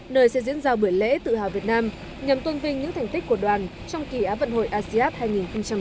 nơi sẽ diễn ra buổi lễ tự hào việt nam nhằm tuân vinh những thành tích của đoàn trong kỳ áp vận hội asean hai nghìn một mươi tám